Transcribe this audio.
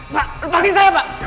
pak lepaskan saya pak